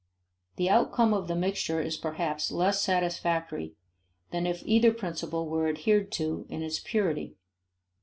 The outcome of the mixture is perhaps less satisfactory than if either principle were adhered to in its purity.